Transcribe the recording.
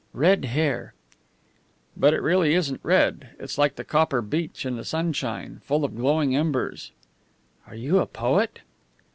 Red hair " "But it really isn't red. It's like the copper beech in the sunshine, full of glowing embers." "Are you a poet?"